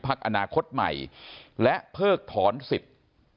อนาคตใหม่และเพิกถอนสิทธิ์